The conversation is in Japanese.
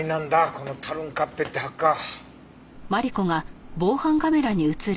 このタルンカッペってハッカー。